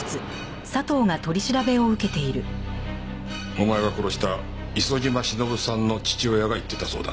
お前が殺した磯島忍さんの父親が言ってたそうだ。